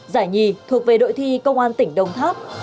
giải nhì thuộc về đội thi công an tỉnh đồng tháp